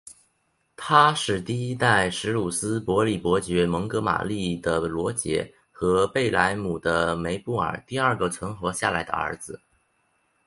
他是第一代什鲁斯伯里伯爵蒙哥马利的罗杰和贝莱姆的梅布尔第二个存活下来的儿子。